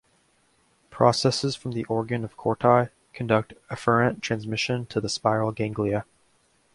Processes from the organ of Corti conduct afferent transmission to the spiral ganglia.